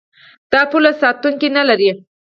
دا پوله ساتونکي نلري.